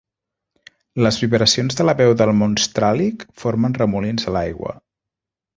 Les vibracions de la veu del Monstràl·lic formen remolins a l'aigua.